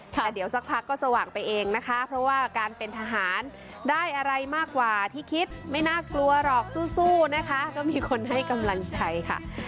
แต่เดี๋ยวสักพักก็สว่างไปเองนะคะเพราะว่าการเป็นทหารได้อะไรมากกว่าที่คิดไม่น่ากลัวหรอกสู้นะคะก็มีคนให้กำลังใจค่ะ